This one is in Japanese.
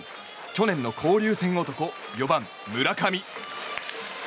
去年の交流戦男４番、村上。